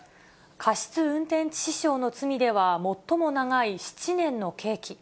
過失運転致死傷の罪では最も長い７年の刑期。